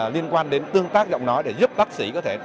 liên quan đến tương tác giọng nói để giúp bác sĩ có thể